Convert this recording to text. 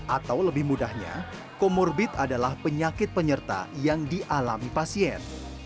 atau lebih mudahnya komorbit adalah penyakit penyerta yang dialami pasien